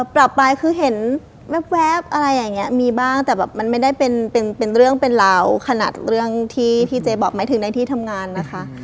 ปรับไปคือเห็นแว๊บอะไรอย่างนี้มีบ้างแต่แบบมันไม่ได้เป็นเรื่องเป็นราวขนาดเรื่องที่พี่เจบอกหมายถึงในที่ทำงานนะคะ